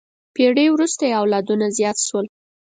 پېړۍ وروسته یې اولادونه زیات شول.